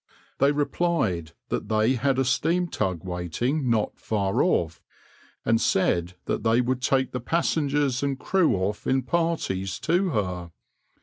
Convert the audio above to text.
They replied that they had a steam tug waiting not far off, and said that they would take the passengers and crew off in parties to her.